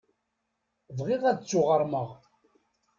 Bɣiɣ ad d-ttuɣermeɣ.